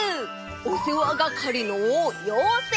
おせわがかりのようせい！